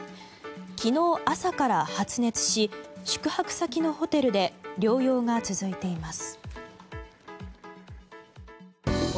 昨日朝から発熱し宿泊先のホテルで療養が続いています。